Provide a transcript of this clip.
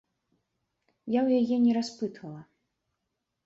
Я ў яе не распытвала.